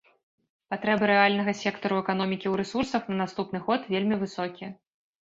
Патрэбы рэальнага сектару эканомікі ў рэсурсах на наступны год вельмі высокія.